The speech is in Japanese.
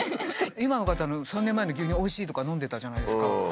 今の方３年前の牛乳おいしいとか飲んでたじゃないですか。